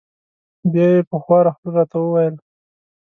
بیا یې په خواره خوله را ته و ویل: